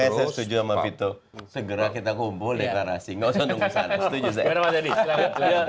makanya saya setuju sama vito segera kita hubungi dekarasi nggak usah nunggu sana setuju saya